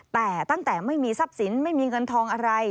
แต่ตั้งแต่ไม่มีทรัพย์สินไม่มีเงินทองอะไร